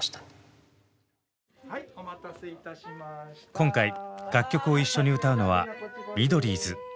今回楽曲を一緒に歌うのは「ミドリーズ」。